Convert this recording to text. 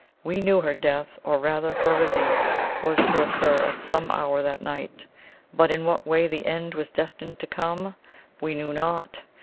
We knew her death, or rather her release, was to occur at some hour that night; but in what way the end was destined to come, we knew not.